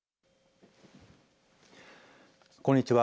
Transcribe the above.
こんにちは。